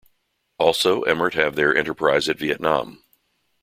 Also Emart have their enterprise at Vietnam.